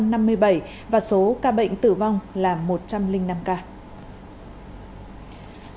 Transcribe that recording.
thưa quý vị theo bản tin bộ y tế cho biết tính từ sáu h cho đến một mươi hai h ngày tám tháng bảy